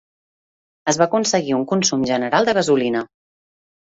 Es va aconseguir un consum general de gasolina.